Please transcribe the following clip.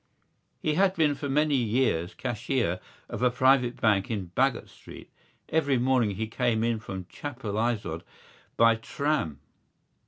He had been for many years cashier of a private bank in Baggot Street. Every morning he came in from Chapelizod by tram.